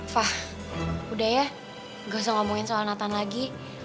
fah udah ya gak usah ngomongin soal natal lagi